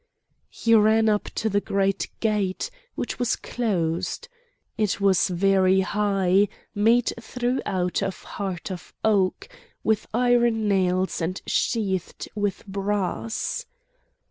He ran up to the great gate, which was closed. It was very high, made throughout of heart of oak, with iron nails and sheathed with brass.